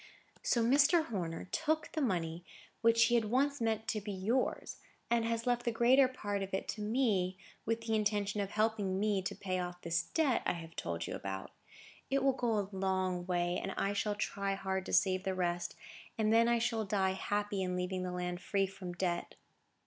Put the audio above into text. "So Mr. Horner took the money which he once meant to be yours, and has left the greater part of it to me, with the intention of helping me to pay off this debt I have told you about. It will go a long way, and I shall try hard to save the rest, and then I shall die happy in leaving the land free from debt."